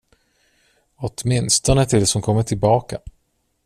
Åtminstone tills hon kommer tillbaka.